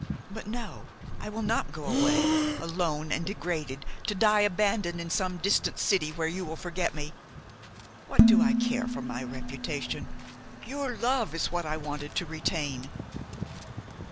But no, I will not go away, alone and degraded, to die abandoned in some distant city where you will forget me. What do I care for my reputation? Your love is what I wanted to retain."